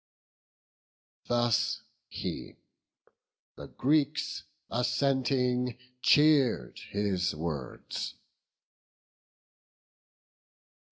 Thus he; the Greeks, assenting, cheer'd his words.